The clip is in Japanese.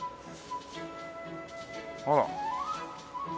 あら。